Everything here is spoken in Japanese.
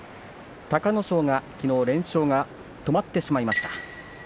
隆の勝が、きのう連勝が止まってしまいました。